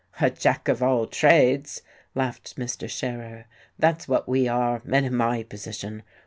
"A jack of all trades," laughed Mr. Scherer. "That's what we are men in my position.